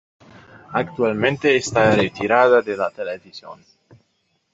Actualmente está retirada de la televisión.